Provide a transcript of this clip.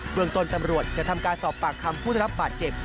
เมืองต้นตำรวจจะทำการสอบปากคำผู้ได้รับบาดเจ็บ